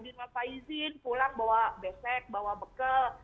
jadi datang minal aidin mafaizin pulang bawa besek bawa bekel